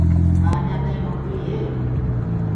ڪآ اڃآ تآئينٚ نوڪري هي؟